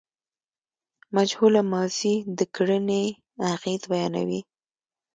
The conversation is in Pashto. مجهوله ماضي د کړني اغېز بیانوي.